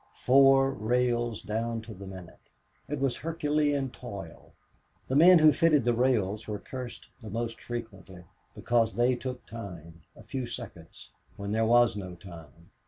Four rails down to the minute! It was Herculean toil. The men who fitted the rails were cursed the most frequently, because they took time, a few seconds, when there was no time.